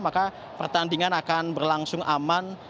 maka pertandingan akan berlangsung aman